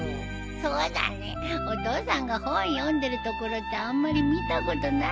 そうだねお父さんが本読んでるところってあんまり見たことないよ。